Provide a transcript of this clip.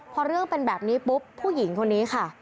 พอเรื่องเป็นแบบนี้ปุ๊บผู้หญิงคนนี้ค่ะ